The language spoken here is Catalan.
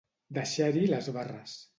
Deixar-hi les barres.